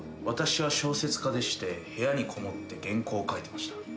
私は小説家でして部屋にこもって原稿を書いてました。